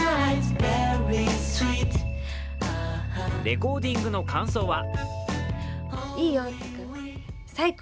レコーディングの感想は？